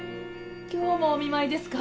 今日もお見舞いですか？